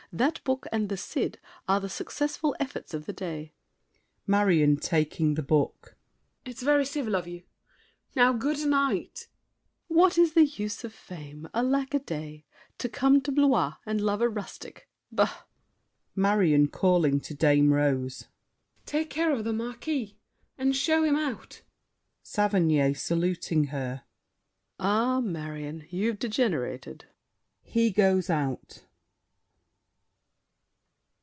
That book and "The Cid" Are the successful efforts of the day. MARION (taking the book). It's very civil of you; now, good night! SAVERNY. What is the use of fame? Alack a day! To come to Blois and love a rustic! Bah! MARION (calling to Dame Rose). Take care of the Marquis, and show him out! SAVERNY (saluting her). Ah, Marion, you've degenerated! [He goes out.